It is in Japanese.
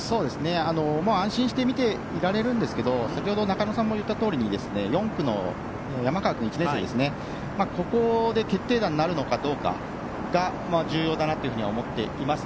安心して見ていられるんですが先ほど中野さんも言ったとおり４区の山川君、１年生ここで決定打になるのかどうかが重要だなと思っています。